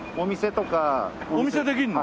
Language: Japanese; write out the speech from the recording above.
お店できるの？